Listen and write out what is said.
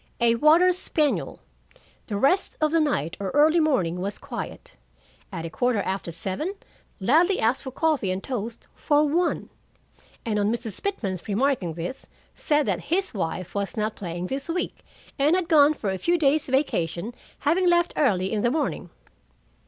"A water spaniel. 'The rest of the night, or early morning, was quiet. At a quarter after seven, Ladley asked for coffee and toast for one, and on Mrs. Pitman remarking this, said that his wife was not playing this week, and had gone for a few days' vacation, having left early in the morning.'